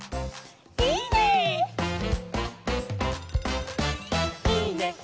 いいね！